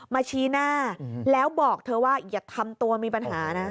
ชี้หน้าแล้วบอกเธอว่าอย่าทำตัวมีปัญหานะ